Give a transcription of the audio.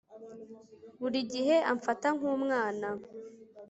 buri gihe amfata nkumwana